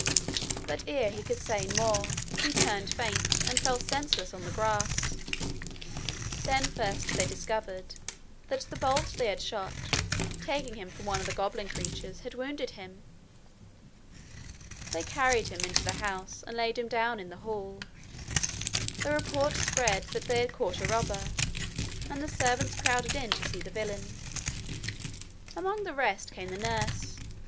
But ere he could say more he turned faint, and fell senseless on the grass. Then first they discovered that the bolt they had shot, taking him for one of the goblin creatures, had wounded him. They carried him into the house and laid him down in the hall. The report spread that they had caught a robber, and the servants crowded in to see the villain. Amongst the rest came the nurse.